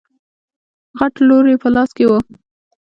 غټ لور يې په لاس کې و.